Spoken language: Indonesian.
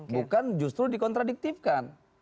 bukan justru dikontradiktifkan